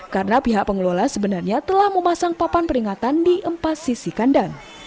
karena pihak pengelola sebenarnya telah memasang papan peringatan di empat sisi kandang